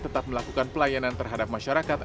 tetap melakukan pelayanan terhadap masyarakat